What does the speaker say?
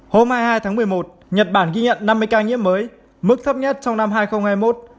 hôm hai mươi hai tháng một mươi một nhật bản ghi nhận năm mươi ca nhiễm mới mức thấp nhất trong năm hai nghìn hai mươi một